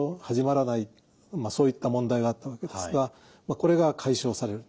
そういった問題があったわけですがこれが解消される。